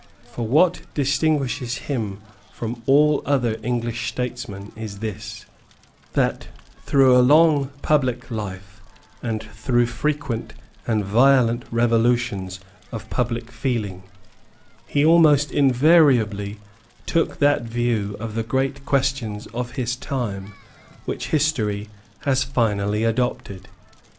For what distinguishes him from all other English statesmen is this, that, through a long public life, and through frequent and violent revolutions of public feeling, he almost invariably took that view of the great questions of his time which history has finally adopted.